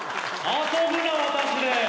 ・遊ぶな私で。